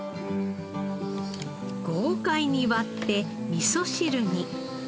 豪快に割ってみそ汁に。